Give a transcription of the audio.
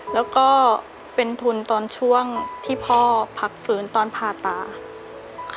แล้วก็เป็นทุนตอนช่วงที่พ่อพักฟื้นตอนผ่าตาค่ะ